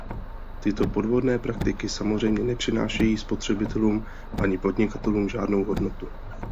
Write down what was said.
Tyto podvodné praktiky samozřejmě nepřinášejí spotřebitelům ani podnikatelům žádnou hodnotu.